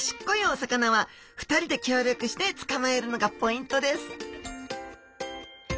お魚は２人で協力してつかまえるのがポイントです